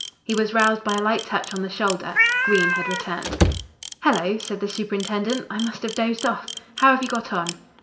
He was roused by a light touch on the shoulder. Green had returned. "Hello!" said the superintendent. "I must have dozed off. How have you got on?"